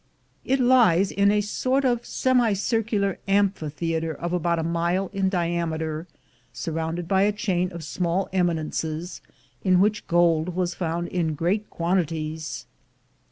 It lies in a sort of semicircular amphitheater of about a mile in diameter, surrounded by a chain of small eminences, in which gold was found in great quantities.